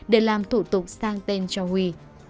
để làm thủ tục sang tên cho huy